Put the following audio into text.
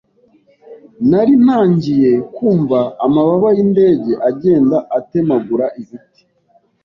nari ntangiye kumva amababa y’indege agenda atemagura ibiti